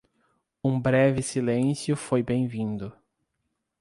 Um breve silêncio foi bem-vindo.